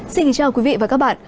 xin chào quý vị và các bạn